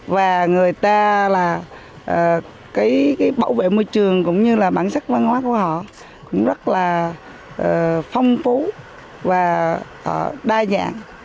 và người ta là cái bảo vệ môi trường cũng như là bản sắc văn hóa của họ cũng rất là phong phú và đa dạng